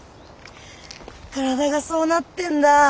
体がそうなってんだ。